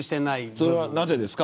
それはなぜですか。